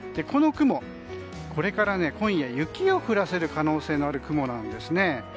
この雲これから今夜、雪を降らせる可能性がある雲なんですね。